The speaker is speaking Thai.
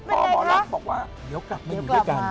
หมอลักษณ์บอกว่าเดี๋ยวกลับมาอยู่ด้วยกัน